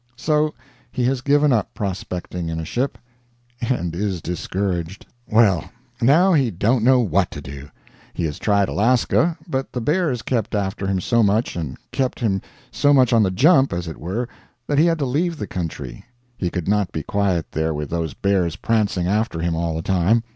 So he has given up prospecting in a ship, and is discouraged. Well, now he don't know what to do. He has tried Alaska; but the bears kept after him so much, and kept him so much on the jump, as it were, that he had to leave the country. He could not be quiet there with those bears prancing after him all the time.